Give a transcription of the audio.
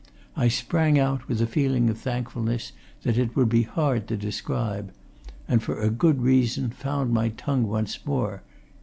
I sprang out, with a feeling of thankfulness that it would be hard to describe and for a good reason found my tongue once more.